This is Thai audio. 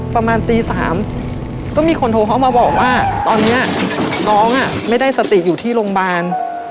ประมาณตี๓ก็มีคนโทรเข้ามาบอกว่าตอนนี้น้องไม่ได้สติอยู่ที่โรงพยาบาล